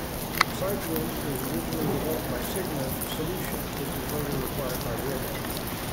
Cygwin was originally developed by Cygnus Solutions, which was later acquired by Red Hat.